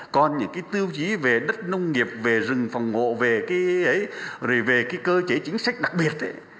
còn những cái tiêu chí về đất nông nghiệp về rừng phòng ngộ về cơ chế chính sách đặc biệt